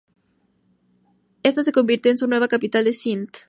Esta se convirtió en su nueva capital en Sindh.